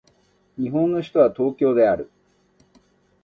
日本の首都は東京である